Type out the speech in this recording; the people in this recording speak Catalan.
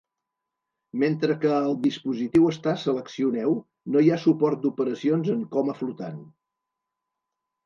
Mentre que el dispositiu està seleccioneu, no hi ha suport d'operacions en coma flotant.